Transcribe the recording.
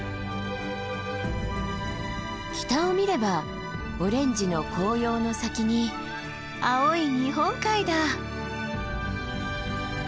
北を見ればオレンジの紅葉の先に青い日本海だ。